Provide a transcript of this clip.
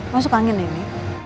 masuk angin ini